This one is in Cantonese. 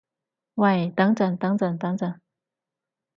喂等陣等陣等陣